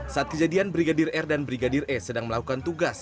saat kejadian brigadir r dan brigadir e sedang melakukan tugas